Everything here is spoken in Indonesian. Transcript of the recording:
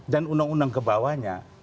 dan undang undang kebawahnya